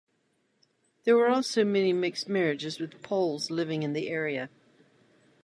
There were also many mixed marriages with Poles living in the area.